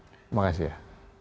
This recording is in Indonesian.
terima kasih ya